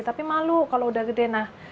tapi malu kalau udah gede nah